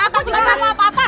aku juga mau apa apa